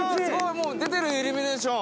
もう出てるイルミネーション。